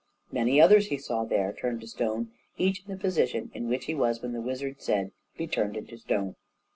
Many others he saw there turned to stone, each in the position in which he was when the wizard said, "Be turned into stone."